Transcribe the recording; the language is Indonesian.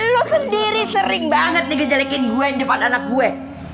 lo sendiri sering banget digejelekin gue yang depan anak gue